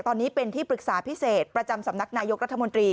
ตอนนี้เป็นที่ปรึกษาพิเศษประจำสำนักนายกรัฐมนตรี